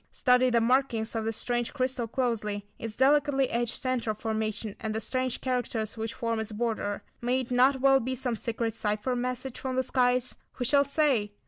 Study the markings of this strange crystal closely; its delicately etched centre formation, and the strange characters which form its border. May it not well be some secret cypher message from the skies? Who shall say?